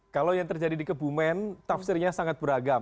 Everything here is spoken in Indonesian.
kalau yang terjadi di kebumen tafsirnya sangat beragam